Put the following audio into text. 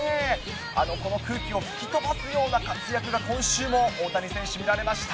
この空気を吹き飛ばすような活躍が今週も大谷選手、見られました。